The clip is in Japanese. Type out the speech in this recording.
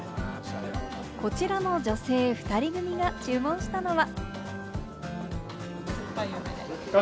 こちらの女性２人組が注文したのは。